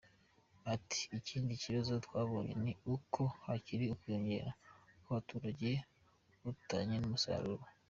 Ati: “ikindi kibazo twabonye ni uko hakiri ubwiyongere bw’abaturage butajyanye n’umusaruro.